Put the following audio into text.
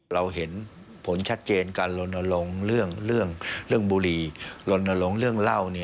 เราเห็นผลชัดเจนการลนลงเรื่องบุรีลนลงเรื่องเล่า